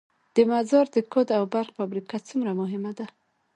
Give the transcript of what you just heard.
د مزار د کود او برق فابریکه څومره مهمه ده؟